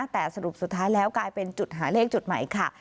แต่สรุปสุดท้ายแล้วกลายเป็นจุดหาเลขจุดใหม่ค่ะ